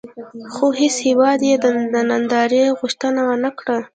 خو هېڅ هېواد یې د نندارې غوښتنه ونه کړه.